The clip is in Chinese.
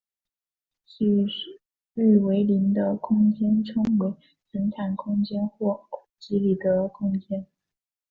曲率为零的空间称为平坦空间或欧几里得空间。